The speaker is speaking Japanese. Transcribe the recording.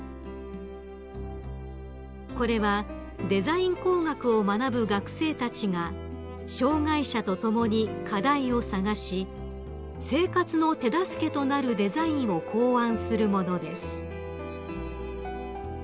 ［これはデザイン工学を学ぶ学生たちが障害者と共に課題を探し生活の手助けとなるデザインを考案するものです］